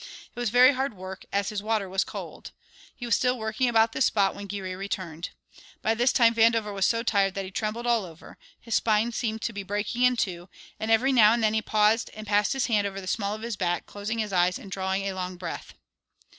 It was very hard work, as his water was cold. He was still working about this spot when Geary returned. By this time Vandover was so tired that he trembled all over, his spine seemed to be breaking in two, and every now and then he paused and passed his hand over the small of his back, closing his eyes and drawing a long breath.